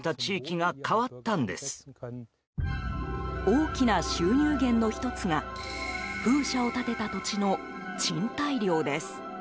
大きな収入源の１つが風車を建てた土地の賃貸料です。